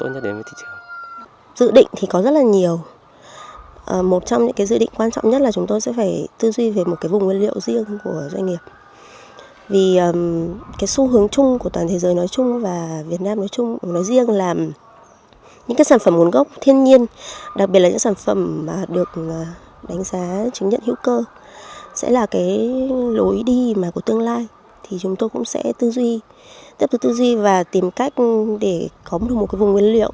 dự định thì có rất là nhiều một trong những cái dự định quan trọng nhất là chúng tôi sẽ phải tư duy về một cái vùng nguyên liệu riêng của doanh nghiệp vì cái xu hướng chung của toàn thế giới nói chung và việt nam nói chung nói riêng là những cái sản phẩm nguồn gốc thiên nhiên đặc biệt là những sản phẩm mà được đánh giá chứng nhận hữu cơ sẽ là cái lối đi mà của tương lai thì chúng tôi cũng sẽ tư duy tiếp tục tư duy và tìm cách để có một cái vùng nguyên liệu riêng của doanh nghiệp